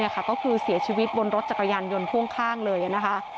ก็คือเสียชีวิตบนรถจักรยานยนต์พ่วงข้างเลยนะคะ